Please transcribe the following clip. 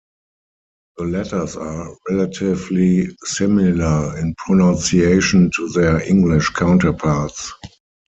The letters are relatively similar in pronunciation to their English counterparts.